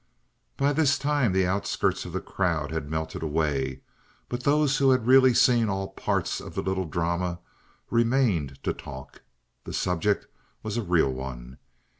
By this time the outskirts of the crowd had melted away; but those who had really seen all parts of the little drama remained to talk. The subject was a real one.